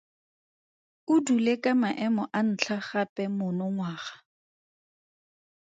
O dule ka maemo a ntlha gape monongwaga.